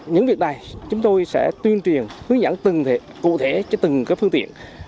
những việc này chúng tôi sẽ tuyên truyền hướng dẫn từng cụ thể cho từng phương tiện